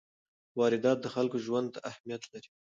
واردات د خلکو ژوند ته اهمیت لري.